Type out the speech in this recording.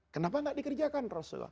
kenapa tidak dikerjakan rasulullah